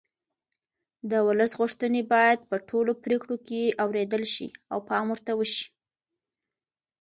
د ولس غوښتنې باید په ټولو پرېکړو کې اورېدل شي او پام ورته وشي